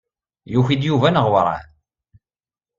Yuki-d Yuba neɣ werɛad?